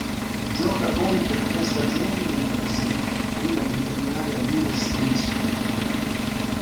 Gioca poi per tre stagioni nel Brasil, prima di ritornare al Minas Tênis Clube.